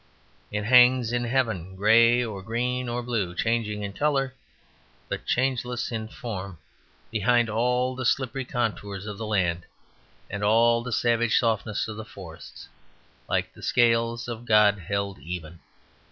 It hangs in heaven, grey, or green, or blue, changing in colour, but changeless in form, behind all the slippery contours of the land and all the savage softness of the forests, like the scales of God held even.